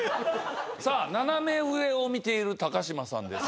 さあ斜め上を見ている高島さんです。